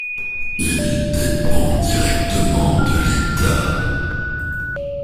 Il dépend directement de l'État.